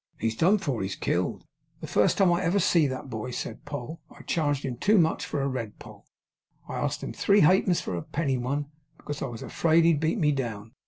He's done for. He's killed. The first time I ever see that boy,' said Poll, 'I charged him too much for a red poll. I asked him three halfpence for a penny one, because I was afraid he'd beat me down.